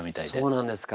そうなんですか。